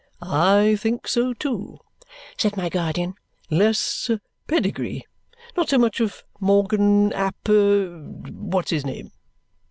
"I think so too," said my guardian. "Less pedigree? Not so much of Morgan ap what's his name?"